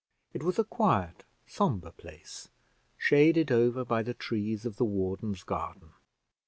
It was a quiet, sombre place, shaded over by the trees of the warden's garden.